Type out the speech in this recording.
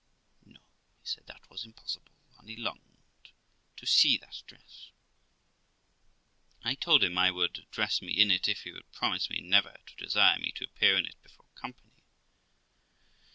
No, he said, that was impossible, and he longed to see that dress. I told him I would dress me in it, if he would promise me never to desire me to appear in it before company.